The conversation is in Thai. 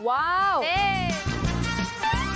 ว้าวเฮ่ย